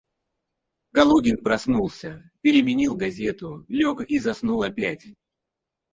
Калугин проснулся, переменил газету, лег и заснул опять.